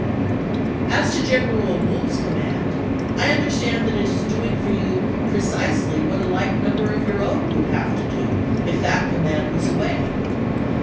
As to General Wool's command, I understand it is doins; for you precisely what a like number of your own would have to do if that command was away.